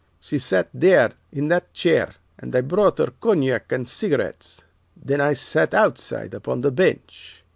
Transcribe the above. She sat there in that chair, and I brought her cognac and cigarettes. Then I sat outside upon the bench.